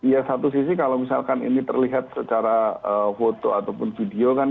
ya satu sisi kalau misalkan ini terlihat secara foto ataupun video kan